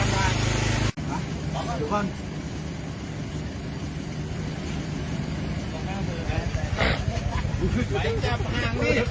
เมื่อหลียงภูมิก็ไม่ออกไป